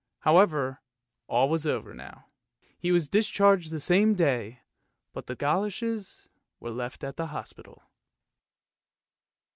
However, all was over now. He was discharged the same day, but the goloshes were left at the hospital.